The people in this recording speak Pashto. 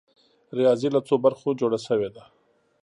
ریاضي له څو برخو جوړه شوې ده؟